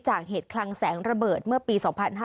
จากเหตุคลังแสงระเบิดเมื่อปี๒๕๕๙